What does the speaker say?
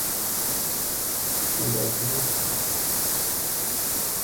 Rudolf Moshammer